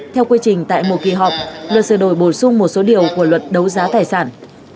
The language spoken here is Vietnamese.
theo quy trình tại một kỳ họp luật sửa đổi bổ sung một số điều của luật đấu giá tài sản